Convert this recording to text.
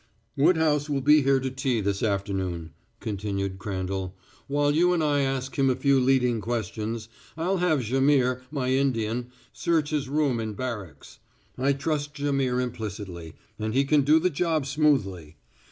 "Woodhouse will be here to tea this afternoon," continued Crandall. "While you and I ask him a few leading questions, I'll have Jaimihr, my Indian, search his room in barracks. I trust Jaimihr implicitly, and he can do the job smoothly.